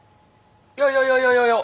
いやいやいやいやいやいや。